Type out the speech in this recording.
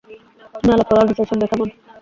তুমি আলাপ করো আনিসের সাথে, কেমন?